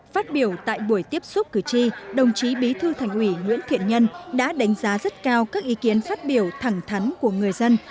phát biểu tại buổi tiếp xúc cử tri đồng chí bí thư thành ủy nguyễn thiện nhân đã đánh giá rất cao các ý kiến phát biểu thẳng thắn của người dân